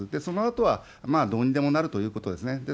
そのあとはどうにでもなるということですね。